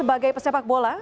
sebagai pesepak bola